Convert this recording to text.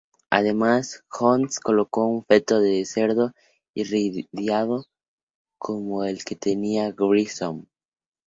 Además, Hodges colocó un feto de cerdo irradiado como el que tenía Grissom.